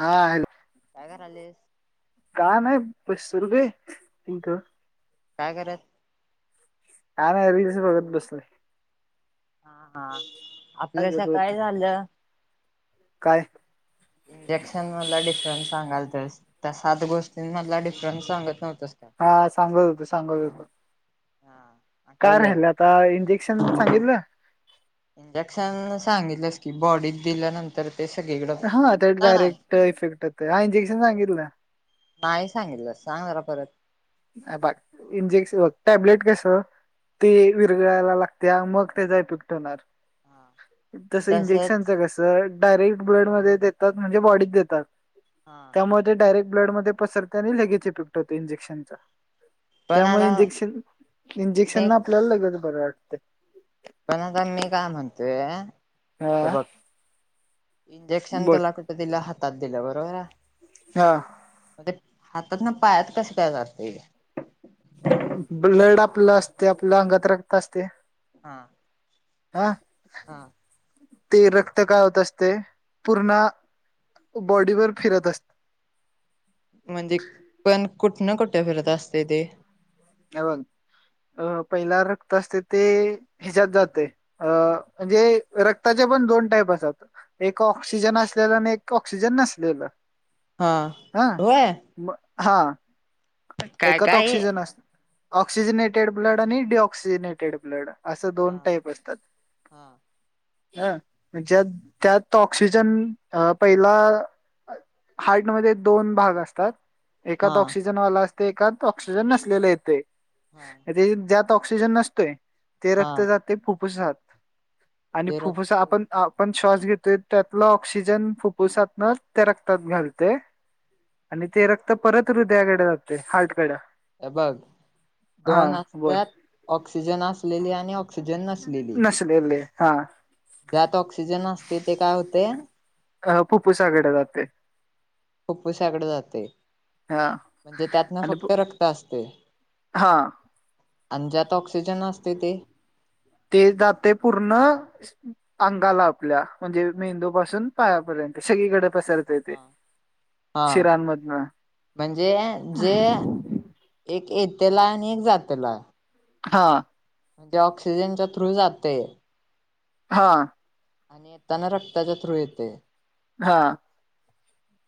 हां हॅलो. काय करालेस? काय नाय बस सुरग तिंक काय कर काय नाय रिल्स बघत बसलोय. हां हां काय आपल करत होत सकाळी झालं. काय? इंजेक्शन मधला डिफरन्स सांगाल तस, त्या सात गोष्टींमधला डिफरन्स सांगत नव्हतस. का हा सांगत होतो सांगत होतो. हां. काय राहिलं आता इंजेक्शन सांगितलं. इंजेक्शन सांगितलंस की बॉडीत दिल्यानंत तर ते सग हा त्यात डायरेक्ट इफेक्ट येत आय इंजेक्शन सांगितलं? नाय सांगितलं सांग र परत. अ बघ इंजेक्शन ब टॅब्लेट कसं ते विरगळायला लागतया मग त्येचा इफक्ट होणार. तसं इंजेक्शनच तसच कस तर डायरेक्ट ब्लड मध्ये देतात म्हणजे बॉडीत देतात. हा ते डायरेक्ट ब्लडमध्ये पसरते आणि लगेचे ईफेक्ट होते इंजेक्शनचा. पण त्यामुळे आता इंजेक्शन इंजेक्शन मी न आपल्याला लगेच बरं वाटते. पण आता मी काय म्हणतोय. तर आ. बघ इंजेक्शन तुला कुठ दिलं हातात दिलं बरोबर आहे. हा. म ते हातात न पायात कस काय जाते? ब्लड आपलं असतंय आपल्या अंगात रक्त असतंय हा. आं. हां. ते रक्त काय होत असतय पूर्ण बॉडीवर फिरत अस म्हणजे पण कुठन कुठे फिरत असते ते? हे बघ अ पहिला रक्त असते ते हेच्यात जाते. अ म्हणजे रक्ताचे पण दोन टाईप असतात. एक ऑक्सिजन असलेलं अन एक ऑक्सिजन नसलेलं. हां हा होय! म, हा. काय एकत काय? ऑक्सिजन अस ऑक्सिजिनेटेड ब्लड. आणि डी ऑक्सिजिनेटेड ब्लड. असं हा दोन टाईप असतात. हा. ह. म्हणजे त्यात तो ऑक्सिजन पहिला हार्टमध्ये दोन भाग असतात हा एकात ऑक्सिजन वाला असतंय. ऐकात ऑक्सिजन नसलेलं येतंय. हा म्हणजे ज्यात ऑक्सिजन नसतोय. ते रक्त हा जातंय फुफुसात. आणि ते फुफ्फुस रक्त आपण आपण श्वास घेतोय. त्यातला ऑक्सिजन फुफुसातन त्या रक्तात घालतंय. आणि ते रक्त परत हृदयाकड जातंय. हार्टकड. हे बघ दोन बोल असत्यात. ऑक्सिजन असलेली आणि ऑक्सिजन नसलेली. लेले हा. ज्यात ऑक्सिजन असत्या, ते काय होते. अ फुफुसाकडे जाते. फुफुसाकडं जाते. हा म्हणजे त्यात ना फक्त रक्त असतंय. हां. अन ज्यात ऑक्सिजन असतंय ते. ते जातंय पूर्ण, स अंगाला आपल्या. म्हणजे मेंदू पासून पायापर्यंत सगळीकडे पसर हा, हां. म्हणजे जे एक येतेला. आणि एक जातेला. हा. म्हणजे ऑक्सिजनच्या थ्रू जातंय. हां. आणि येताना रक्ताच्या थ्रू येतंय. हां.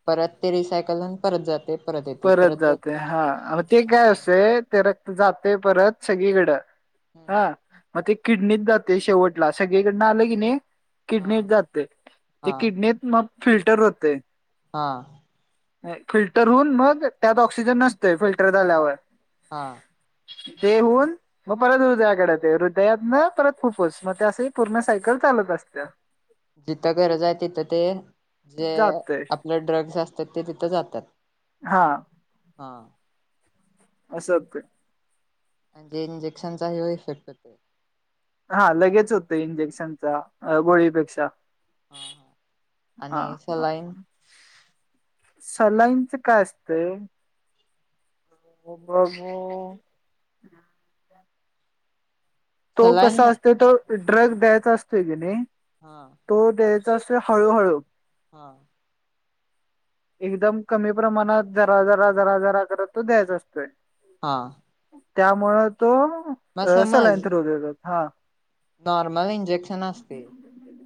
परत ते रिसायकल होऊन परत जातंय. परत जातंय. हा मग ते हा काय हा असतय. ते रक्त जातंय परत सगळीकडं. हम्म हा. म ते किडनीत जातंय शेवटला. सगळीकडन आलं की नाही हा किडनीत जातंय. ते हा किडनीत मग फिल्टर होतंय. हा. नाही. फिल्टर होऊन मग, त्यात ऑक्सिजन नसतय फिल्टर झाल्यावर. हा. ते हून म परत हृदयाकड येते. हृदयातन परत फुफुस. मग ते अस पूर्ण सायकल चालत असतेंया. जिथं गरज आहे तिथं ते, जे जातय आपलं ड्रग्स असतात. ते तिथं जातात. हा. हां. असंत ते. म्हणजे इंजेक्शनचा जेवव इफेक्ट होतंय. हा लगेच होते. इंजेक्शनचा गोळीपेक्षा. हा हा हा, आणि हा. सलाईन सलाईंच काय असतंय. हो [unintelligible] बू तो कसा सलाईन असतोय. तो ड्रग द्यायचा असतोय कीनी हा. तो देत असते हळूहळू. हा. एकदम कमी प्रमाणात. जरा, जरा, जरा, जरा करत तो द्यायच असतोय. हा. त्यामुळं तो, मग अ समज सलाईन चढवलेल हा. नॉर्मल इंजेक्शन असतय,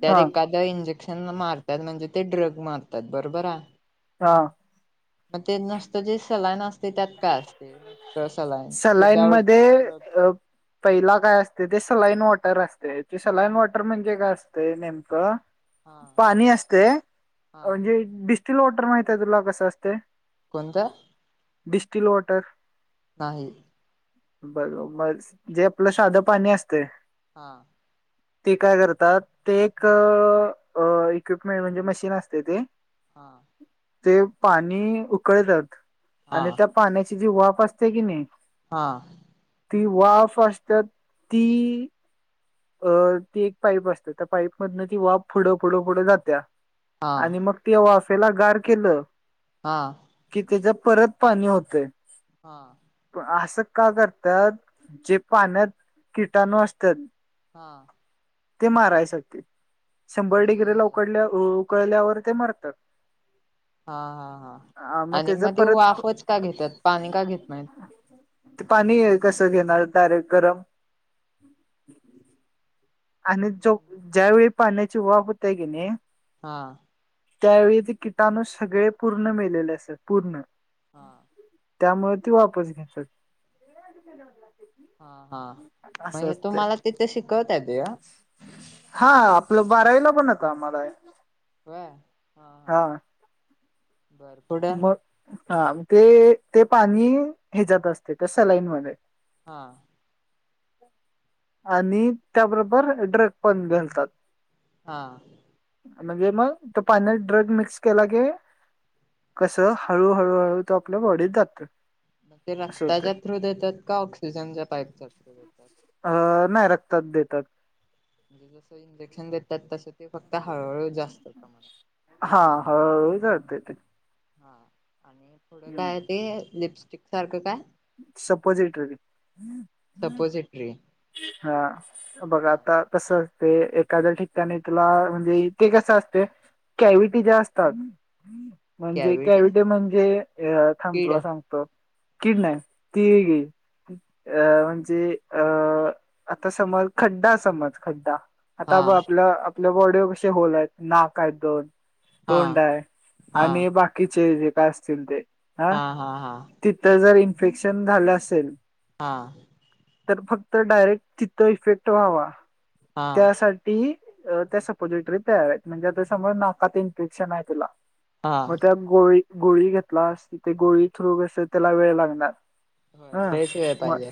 त्यात हा एकात त्या इंजेक्शन मारतात म्हणजे ते ड्रग मारतात बरोबर आहे. हा. म ते नसतं जे सलाईन असतय त्यात काय असतय. त संलाईन. सलाईनमध्ये, अप पहिला काय असतय ते सलाईन वॉटर असतय ते सलाईन वॉटर म्हणजे काय असत नेमकं? हा पाणी असतय, हा म्हणजे डिस्टिल वॉटर माहिते आहे तुला कसं असतय. कोणत? Distil water. नाही. बर म, जे आपलं साधं पाणी असतय. हां. ते काय करतात. ते एक, अ इक्विपमेंट म्हणजे मशीन असतय ते. हा. ते पाणी उकळत्यात, हा आणि त्या पाण्याची जी वाफ असतय कि नाही. हा. ती वाफ असतात, ती. अ ती एक पाईप असतया त्या पाईप मधन ती वाफ पुढं पुढं पुढं जात्या. हा आणि मग ते वाफेला गार केलं हा. कि त्याज परत पाणी होतंय. हा. असं का कत्यात, जे पाण्यात, किटाणू असत्यात. हा. ते मारायसाठी, शंभर म्हणजे डिग्रीला उकडल्या उकळल्यावर ते मारतात. हा हा हा, आणि म ते परत वाफच का घेतात पाणी का घेत नाहीत? ते पाणी कसं घेणार डायरेक्ट गरम. आणि जो, ज्यावेेळी पाण्याची वाफ होत्याया की नाही. हां. त्यावेळी ते किटाणू सगळे पूर्ण मेलेले असत्यात, पूर्ण. हां. त्यामुळे ती वाफच घेतात. हा हा, म असं हे असते तुम्हाला तिथ शिकवत्यात हे. हा आपलं बारावीला पण होतं आम्हाला हे. होय. हा. बरं. म, हा म ते ते पाणी ह्याच्यात असतय त्या सलाईनमध्ये. हा. आणि त्याबरोबर ड्रग पण घालतात. हा. म्हणजे म त पाण्यात ड्रग मिक्स केला की. कसं हळूहळूहळू तो आपल्या बॉडीत जातोय. ग ते रक्ताच्या थ्रू देतात का ऑक्सिजनच्या पाईप च्या थ्रू देतात. अ नाही रक्तात देतात. म्हणजे जसं इंजेक्शन देतात तसं ते फक्त हळूहळू जास्त प्रमाणात. हा हळूहळू गळतय ते. हा आणि पुढं काय ते लिपस्टिक सारखं काय? सपोजिटरली सपोजिटरी हा बघ हा आता कसं असते एखाद्या ठिकाणी तुला म्हणजे ते कसं असतयं. कॅव्हिटी ज्या असतात. म्हणजे कॅविटी कॅव्हिटी म्हणजे थांब किड तुला सांगतो किड नाही ती अ म्हणजे अ आता समज खड्डा समज खड्डा आता हा ब आपल्या आपल्या बॉडीविषयी बोलायचं नाक आहेत दोन हा तोंड आहे हा आणि बाकीचे जे काय असतील ते हा हा हा तिथं जर इन्फेक्शन झालं असेल. हा तर फक्त डायरेक्ट तिथ इफेक्ट व्हावा हा त्यासाठी ती त्या सपोजिटरी तयार आहेत, म्हणजे आता समज नाकात इन्फेक्शन आहे तुला हा मग त्या गोळी गोळी घेतला अस ते गोळी थ्रू कस त्याला वेळ लागणार. होय हा लईच वेळ म पाहिजे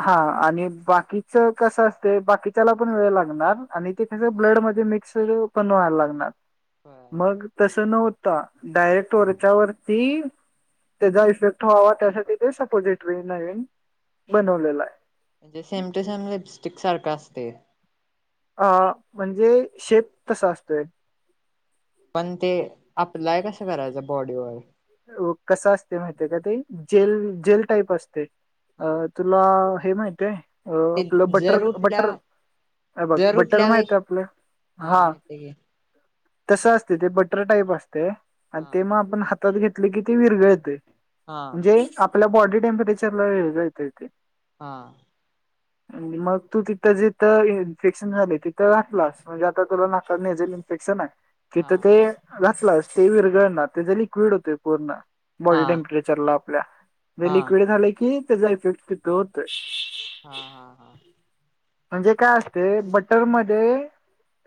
हा आणि बाकीच कसं असतंय बाकीच्याला पण वेळ लागणार आणि ते ब्लड मध्ये मिक्स पण व्हायला लागणार होय मग तसं नवता डायरेक्ट वरच्यावरती त्याचा इफेक्ट व्हावा त्यासाठी ते सपोजिट थ्री नाईन बनवलेला हाय. म्हणजे सेम टू सेम लिपस्टिक सारखं असतंय. अ म्हणजे शेप तसा असतोय. पण ते अप्लाय कसं करायचं बॉडीवर? कसं असतंय माहित आहे का ते जेल जेल टाईप असतंय. हा आपला हे माहित आहे ते आपलं बटर जर बटर उठल्या हे बघ जर बटर उठल्या वेळी माहित आहे हा आपलं माहिती आहे की तसं असतंय ते बटर टाईप असतंय आणि हा ते मग आपण खात हातात घेतलं की ते विरघळतंय हा म्हणजे आपल्या बॉडी टेम्परेचरला विरगळ येतंय ते हां मग तू तिथं जिथं इन्फेक्शन झाले तिथं घातलास. म्हणजे आता तुला नाकात नेझल इन्फेक्शन हाय. हा तिथं ते घातलास ते विरघळणार त्याच लिक्विड होतयं पूर्ण बॉडी हा टेम्परे चर ला आपल्या ते हा हा लिक्विड झालं की त्याचा इफेक्ट [unintelligible] हा हा म्हणजे काय असते बटर मध्ये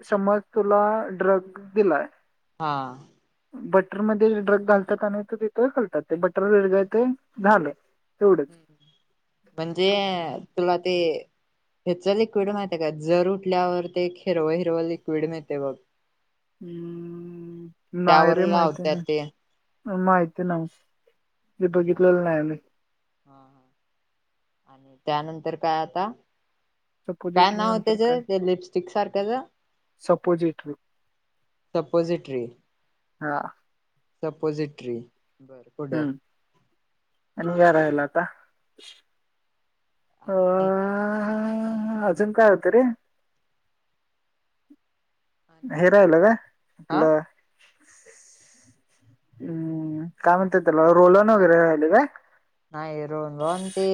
समज तुला ड्रग दिलाय. हा बटर मध्ये ड्रक घालतात आणि त तिथं घालतात ते बटर विरघळंतंय झालंय तेवढंच हम्म. म्हणजे तुला ते ह्याच लिक्विड माहितय का जर उठल्यावर ते एक हिरवं हिरवं लिक्विड मिळतंय बघ हम् नाही त्यावर रे माहिती लावत्यात ते नाय माहिती नाय. आणि त्यानंतर काय आता काय सपोजिटरी नाव नंतर त्याज काय ते लिपस्टिक सारख्याचं सपोजिटरी सपोझिटरी हा सपोजिटरी बरं हम्म आणि काय राहिलं आता अ आणि अ अजून काय होतं रे? हे आणि राहिलं काय हा आपलं हम्म काय म्हणतय त्याला रोलन वगैरे राहिलं काय? नाही रोहुन रोहुन ते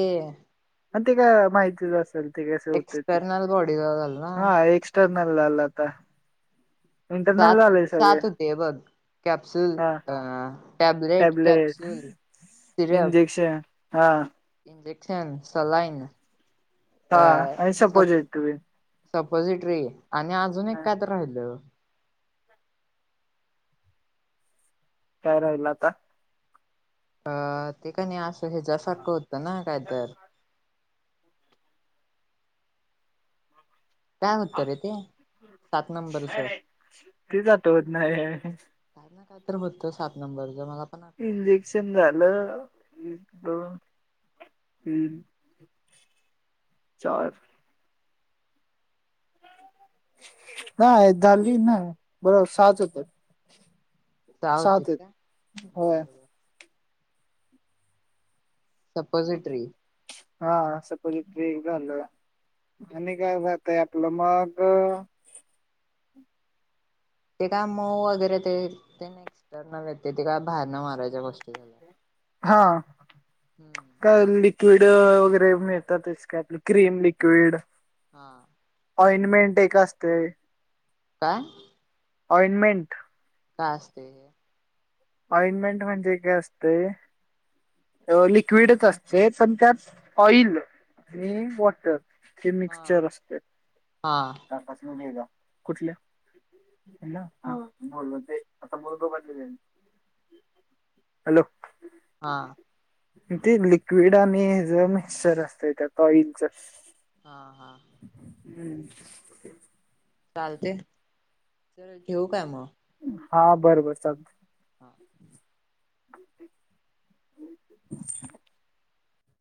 हा ते काय माहितीच असल. ते कसे होते ते. एक्सटर्नल बॉडी ला झालं ना हा एक इनललता [unintelligible] सात सात होते हे बघ. कॅप्स्युल हा अ टॅब्लेट टॅबलेट, कॅप्सुल. इंजेक्शन हा. इंजेक्शन सलाइन हा अ आणि सब सपोजिट तुम्ही [unintelligible] सपोजिट्री आणि अजून एक काय तरी राहिलं. काय राहिल आता. अ ते का नाही असं ह्याच्या सारखं होतं ना. कायतर. काय होत्तरे ते. सात नंबरच. तेच आठवत नाही काय ना काय तर बघतो सात नंबर ज मला पण आठव ना इंजेक्शन झालं. एक, दोन. हम्म. चार. नाय झाली नाय बरोबर साहाच होते. सहा होते सातेत का होय. बर बर सपोजीट्री. हा सपोजीट्री एक झाल. आणि काय वायफाय आपलं मग ते काय मऊ वगैरे ते. ते नही का सरनाभेटते ते. ते काय बाहेर न मागवायचे, लई मस्त झाला. हम्म. का लिक्विड वगैरे मिळतातच. काय आपलं क्रीम लिक्विड. हा. ऑइंनटमेंट एक असते. काय? ओंइंटमेंट. काय असतेय. अइंमेंट म्हणजे काय असतंय. लिक्विडच असते. पण त्यात ऑइल आणि वॉटर. ते हा मिक्चर असते. हा कुठल्या? हॅलो. हा. ते लिक्विड आणि ह ज मिक्चर असतं त्यात. ऑइलच. हा हा. हम्म. चालतेय. र ठेऊ काय म. हा. बरबर चालतय. हां. [unintelligible]